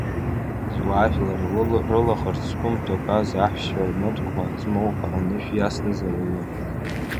Зуаажәлар рылаӷырӡ зқәымҭәакәа заҳәшьцәа рмыткәма змоукәа анышә иасҭаз ауаҩы…